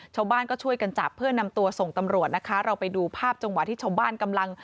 ชาวบ้านก็ช่วยกันจับเพื่อนำตัวส่งตำรวจนะคะเราไปดูภาพจังหวะที่ชาวบ้านกำลัง